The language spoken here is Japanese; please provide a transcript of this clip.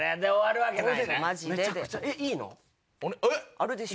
あるでしょ？